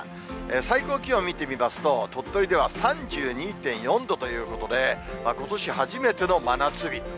最高気温見て見ますと、鳥取では３２．４度ということで、ことし初めての真夏日。